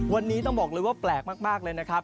วันนี้ต้องบอกเลยว่าแปลกมากเลยนะครับ